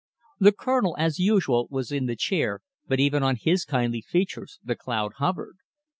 The Colonel, as usual, was in the chair, but even on his kindly features the cloud hovered.